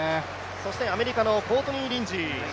そしてアメリカのコートニー・リンジー。